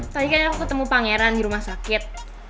tadi kan aku ketemu pangeran di rumah sakit